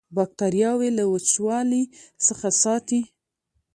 باکتریاوې له وچوالي څخه ساتي.